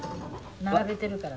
並べてるから。